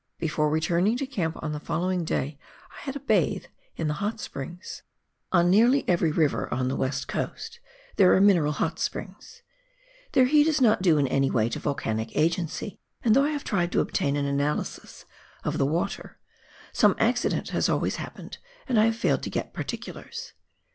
Before returning to camp on the following day I had a bathe in the hot springs. On nearly ev ery river on the "West Coast there are mineral 5G PIONEEE WORK IN THE ALPS OF XEW ZEALAND. hot springs. Their heat is not due in any way to volcanic agency, and though I have tried to obtain an analysis of the water, some accident has always happened and I have failed to get particulars.